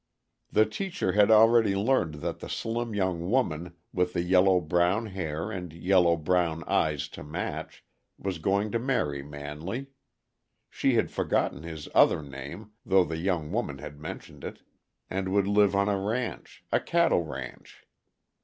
The teacher had already learned that the slim young woman, with the yellow brown hair and yellow brown eyes to match, was going to marry Manley she had forgotten his other name, though the young woman had mentioned it and would live on a ranch, a cattle ranch.